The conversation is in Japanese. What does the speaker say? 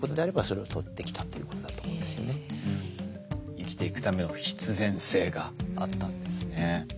生きていくための必然性があったんですね。